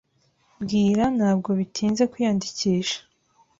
Bwira ntabwo bitinze kwiyandikisha.